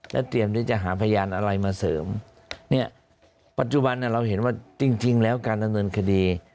และเตรียมที่จะหาพยานอะไรมาเสริมเนี่ยปัจจุบันเราเห็นว่าจริงแล้วการดำเนินคดี